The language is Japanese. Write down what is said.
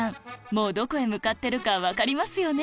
もうどこへ向かってるか分かりますよね？